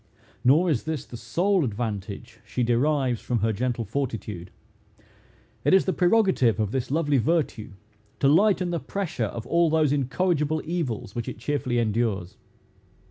Nor is this the sole advantage she derives from her gentle fortitude. It is the prerogative of this lovely virtue, to lighten the pressure of all those incorrigible evils which it cheerfully endures.